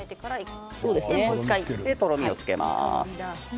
とろみをつけます。